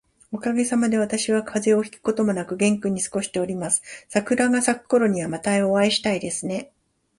おかげさまで、私は風邪をひくこともなく元気に過ごしています。桜が咲くころには、またお会いしたいですね。